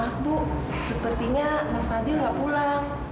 mak bu sepertinya mas fadil gak pulang